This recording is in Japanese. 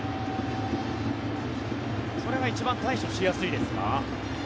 それが一番対処しやすいですか？